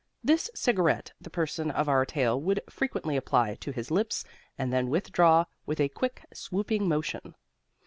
This cigarette the person of our tale would frequentatively apply to his lips, and then withdraw with a quick, swooping motion.